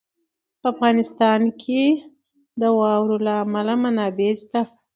په افغانستان کې د واورو له امله منابع شته.